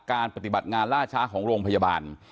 ปฏิบัติงานล่าช้าของโรงพยาบาล